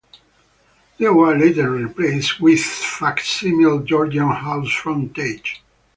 They were later replaced with facsimile Georgian house frontage.